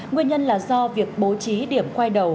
nguyên nhân là do việc bố trí điểm khoai đầu